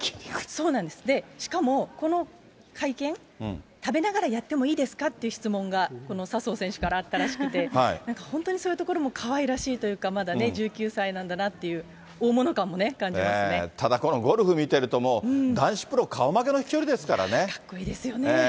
しかもこの会見、食べながらやってもいいですかっていう質問が、この笹生選手からあったらしくて、なんか本当にそういうところもかわいらしいというか、まだね、１９歳なんだなっていう、大物感もね、ただ、このゴルフ見てると、もう男子プロ顔負けの飛距離ですよね。